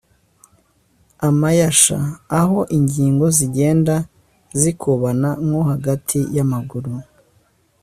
amayasha: aho ingingo zigenda zikubana nko hagati y’amaguru